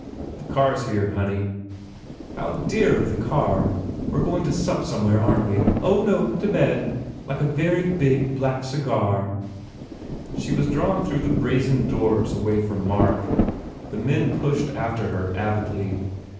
"The car s here, honey." "How dear of the car! We re going to sup somewhere, aren t we? Oh, no, to bed. Like a very big, black cigar " She was drawn through the brazen doors away from Mark. The men pushed after her avidly.